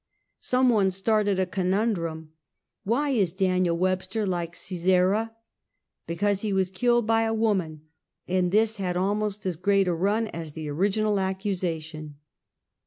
Some one started a conundrum: " Why is Daniel Webster like Sisera? Because he was killed by a woman," and this had almost as great a run as the original accusation.